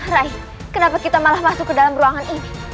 rai kenapa kita malah masuk ke dalam ruangan ini